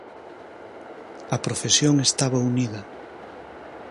A profesión estaba unida.